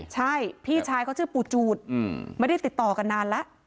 ใช่พี่ชายเขาชื่อปู่จูดไม่ได้ติดต่อกันนานแล้ว